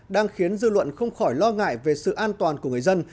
đang khiến dư luận không khỏi lo ngại về sự an toàn của người dân